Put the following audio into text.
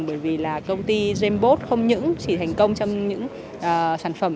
bởi vì là công ty jambot không những chỉ thành công trong những sản phẩm